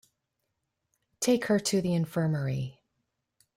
Take her to the infirmary.